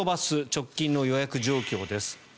直近の予約状況です。